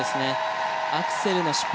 アクセルの失敗